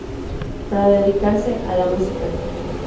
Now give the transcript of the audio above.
Para dedicarse a la música.